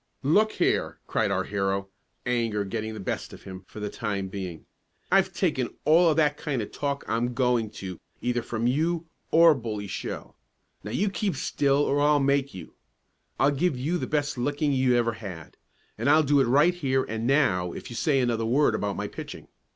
"Look here!" cried our hero, anger getting the best of him for the time being. "I've taken all of that kind of talk I'm going to either from you or Bully Shell! Now you keep still or I'll make you. I'll give you the best licking you ever had; and I'll do it right here and now if you say another word about my pitching!